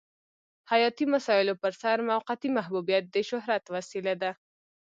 حیاتي مسایلو پرسر موقتي محبوبیت د شهرت وسیله ده.